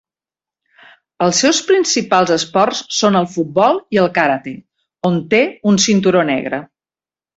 Els seus principals esports són el futbol i el karate, on té un cinturó negre.